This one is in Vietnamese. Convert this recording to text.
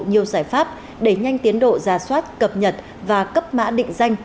nhiều giải pháp để nhanh tiến độ giả soát cập nhật và cấp mã định danh